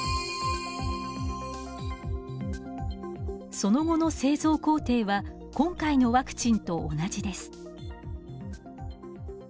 その後の製造工程は今回のワクチンと同じです。